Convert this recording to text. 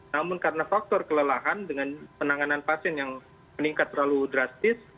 namun karena faktor kelelahan dengan penanganan pasien yang meningkat terlalu drastis